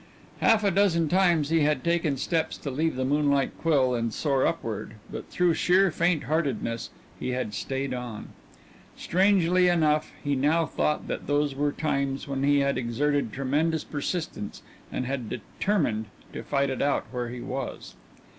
Half a dozen times he had taken steps to leave the Moonlight Quill and soar upward, but through sheer faintheartedness he had stayed on. Strangely enough he now thought that those were times when he had exerted tremendous persistence and had "determined" to fight it out where he was.